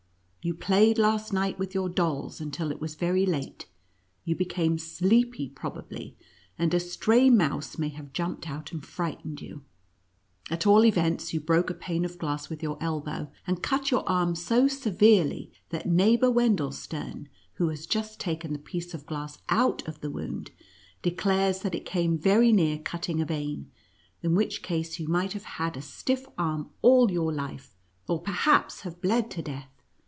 You played last night with your dolls until it was very late. You became sleepy, probably, and a stray mouse may have jumped out and frightened you ; at all events, you broke a pane of glass with your elbow, and cut your arm so severely, that neighbor Wendelstern, who has just taken the piece of glass out of the wound, declares that it came very near cut ting a vein, in which case you might have had a stiff arm all your life, or perhaps have bled to death.